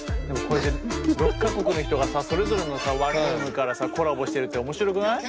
６か国の人がさそれぞれのさワンルームからさコラボしてるって面白くない？